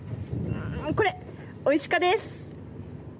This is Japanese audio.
これ、おいしかです。